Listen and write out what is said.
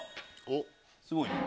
すごいね。